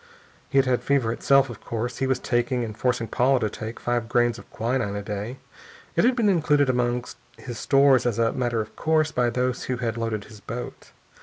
He had fever itself, of course. He was taking, and forcing Paula to take, five grains of quinine a day. It had been included among his stores as a matter of course by those who had loaded his boat.